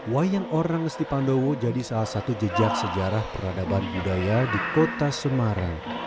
wayang orang ngesti pandowo jadi salah satu jejak sejarah peradaban budaya di kota semarang